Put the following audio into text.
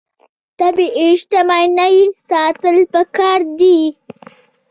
طبیعي شتمنۍ ساتل پکار دي.